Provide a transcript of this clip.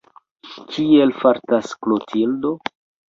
Kiel fartas Klotildo?